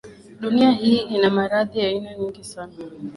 Dunia hii ina maradhi aina nyingi sana.